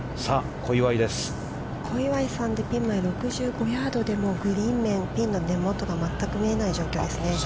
◆小祝さんでピンまで６５ヤードでグリーン面、ピンの根元が全く見えない状況ですね。